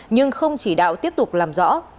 nhưng không chỉ đạo tiếp tục làm rõ